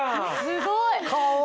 すごい。